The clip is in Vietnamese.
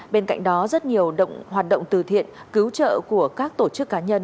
bên cạnh đó rất nhiều hoạt động từ thiện cứu trợ của các tổ chức cá nhân